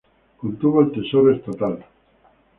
Contuvo el tesoro estatal.